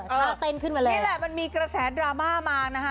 ท่าเต้นขึ้นมาเลยนี่แหละมันมีกระแสดราม่ามานะคะ